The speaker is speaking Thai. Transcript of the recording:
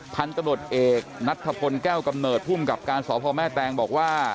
พันธนตรวจเอกนัฐพลแก้วกำเนิดพุ่มกับการสอบภอแม่แตงบอกว่า